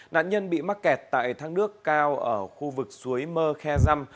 nạn nhân bị mắc kẹt tại thác nước cao ở khu vực suối mơ khe dăm